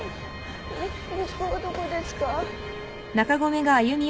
息子はどこですか？